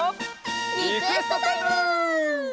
リクエストタイム！